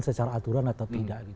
secara aturan atau tidak